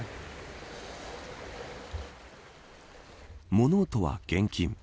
物音は厳禁。